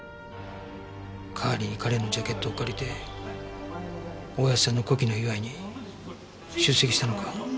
代わりに彼のジャケットを借りて親父さんの古希の祝いに出席したのか？